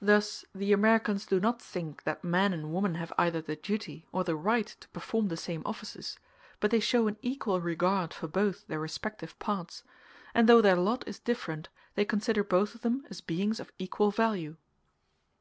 Thus the Americans do not think that man and woman have either the duty or the right to perform the same offices, but they show an equal regard for both their respective parts; and though their lot is different, they consider both of them as beings of equal value.